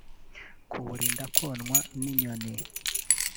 kuwurinda konwa n’inyoni